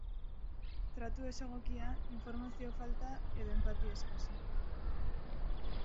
Tratu desegokia, informazio falta edo enpatia eskasa.